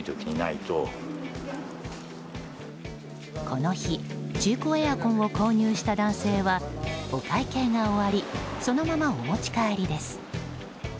この日中古エアコンを購入した男性はお会計が終わりそのままお持ち帰りです。